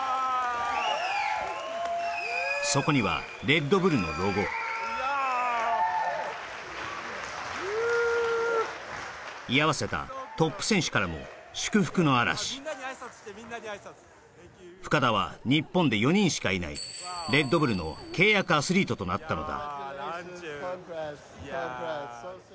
そこにはレッドブルのロゴ居合わせたトップ選手からも祝福の嵐・みんなに挨拶してみんなに挨拶深田は日本で４人しかいないレッドブルの契約アスリートとなったのだ